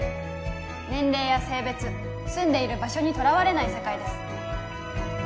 年齢や性別住んでいる場所にとらわれない世界です